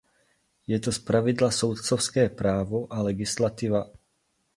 Je to zpravidla soudcovské právo a legislativa.